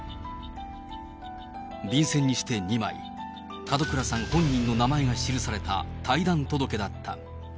便せんにして２枚、門倉さん本人の名前が記された退団届だった。